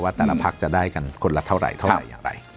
ว่าตั้งแต่ละภักดิ์จะได้กันคนละเท่าไหร่อย่างไร